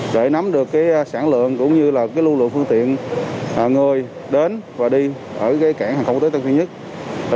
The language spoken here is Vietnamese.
để nắm được sản lượng cũng như lưu lượng phương tiện người đến và đi ở cảng tp hcm